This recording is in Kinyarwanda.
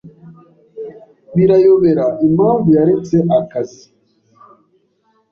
Birayobera impamvu yaretse akazi.